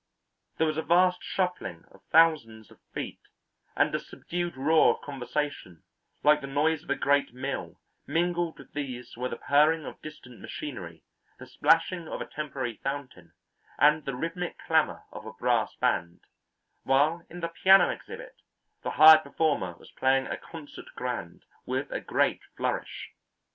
There was a vast shuffling of thousands of feet and a subdued roar of conversation like the noise of a great mill; mingled with these were the purring of distant machinery, the splashing of a temporary fountain and the rhythmic clamour of a brass band, while in the piano exhibit the hired performer was playing a concert grand with a great flourish.